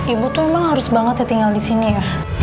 ibu tuh emang harus banget ya tinggal disini ya